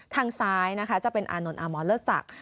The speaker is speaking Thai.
ทางซ้ายนะคะจะเป็นอานนท์อามอนเลิศจักร